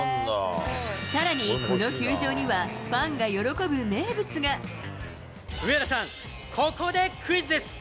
さらに、この球場にはファン上田さん、ここでクイズです。